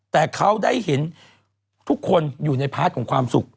แต่เขาได้เห็นทุกคนอยู่ในพาร์ทของความสุข